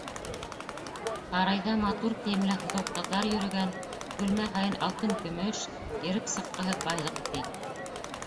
Һарайҙа матур кейемле һылыу ҡыҙҙар йөрөгән, бүлмә һайын алтын-көмөш, йырып сыҡҡыһыҙ байлыҡ, ти.